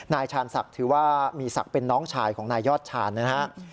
นายชาญศักดิ์ถือว่ามีศักดิ์เป็นน้องชายของนายยอดชาญนะครับ